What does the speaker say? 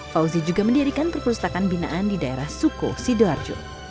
fauzi juga mendirikan perpustakaan binaan di daerah suko sidoarjo